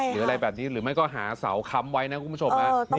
หรืออะไรแบบนี้หรือไม่ก็หาเสาค้ำไว้นะคุณผู้ชม